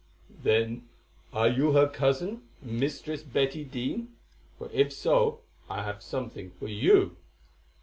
"Then are you her cousin, Mistress Betty Dene, for if so I have something for you?"